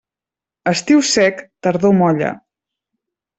Estiu sec, tardor molla.